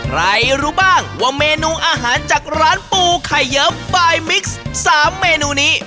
รู้บ้างว่าเมนูอาหารจากร้านปูไข่เยิ้มบายมิกซ์๓เมนูนี้